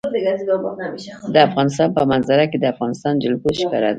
د افغانستان په منظره کې د افغانستان جلکو ښکاره ده.